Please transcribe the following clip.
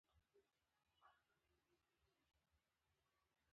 دوی پټ او ښکاره هڅه کوي چې پخواني جومات ته ځان ورسوي.